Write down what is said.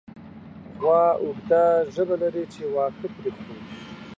غوا اوږده ژبه لري چې واښه پرې خوري.